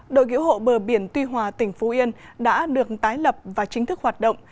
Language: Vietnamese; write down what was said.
đội cứu hộ bờ biển tuy hòa tỉnh phú yên đã được tái lập và chính thức hoạt động